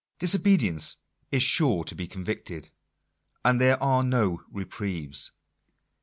Disobedience is sure to be convicted. And there are no reprieves.